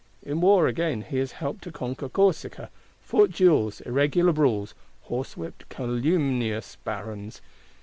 In War, again, he has helped to conquer Corsica; fought duels, irregular brawls; horsewhipped calumnious barons.